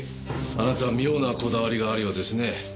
あなたは妙なこだわりがあるようですね。